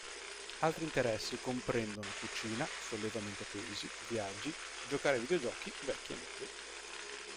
Altri interessi comprendono, cucina, sollevamento pesi, viaggi, giocare ai videogiochi, vecchi e nuovi.